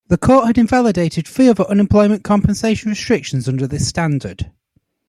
The Court had invalidated three other unemployment compensation restrictions under this standard.